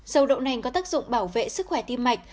sâu đậu nành có tác dụng bảo vệ sức khỏe tim mạch